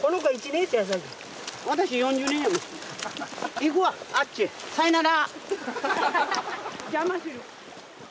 行くわあっちへさいなら！